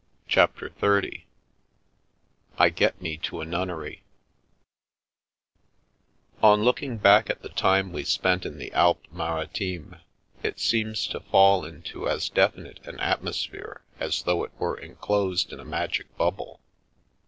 CHAPTER XXX I GET ME TO A NUNNERY ON looking back at the time we spent in the Alpes Maritimes, it seems to fall into as definite an at mosphere as though it were enclosed in a magic bubble.